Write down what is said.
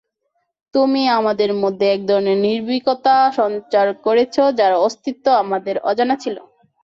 তুমি আমাদের মধ্যে একধরনের নির্ভীকতা সঞ্চার করেছ, যার অস্তিত্ব আমাদের অজানা ছিল।